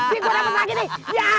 nih gua dapet lagi nih